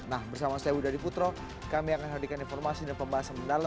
nah bersama saya budha diputro kami akan hadirkan informasi dan pembahasan mendalam